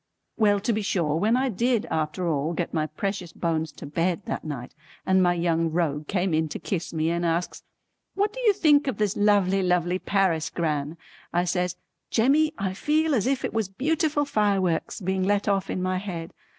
Well to be sure when I did after all get my precious bones to bed that night, and my Young Rogue came in to kiss me and asks "What do you think of this lovely lovely Paris, Gran?" I says "Jemmy I feel as if it was beautiful fireworks being let off in my head."